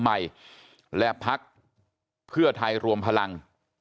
ใหม่และพักเพื่อไทยรวมพลัง